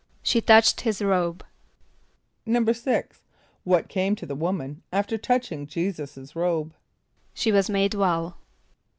=She touched his robe.= =6.= What came to the woman after touching J[=e]´[s+]us' robe? =She was made well.